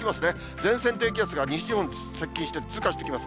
前線、低気圧が西日本に接近して通過してきます。